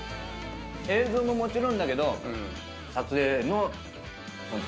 映像ももちろんだけど。